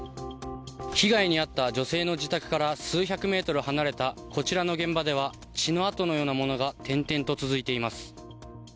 被害に遭った女性の自宅から数百メートル離れたこちらの現場では血の痕のようなものが点々と続いています。